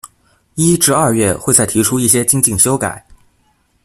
一至二月會再提出一些精進修改